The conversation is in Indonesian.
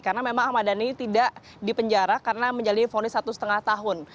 karena memang ahmad dhani tidak dipenjara karena menjadi fonis satu lima tahun